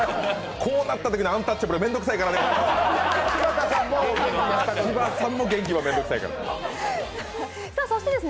こうなったときのアンタッチャブルは面倒くさいからね。